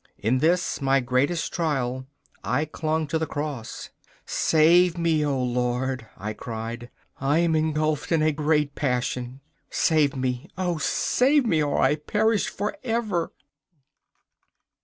In this my greatest trial I clung to the Cross. 'Save me, O Lord!' I cried. 'I am engulfed in a great passion save me, oh, save me, or I perish forever!